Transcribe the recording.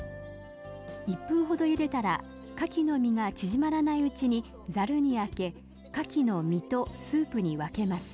１分ほどゆでたらかきの身が縮まらないうちにざるにあけかきの身とスープに分けます。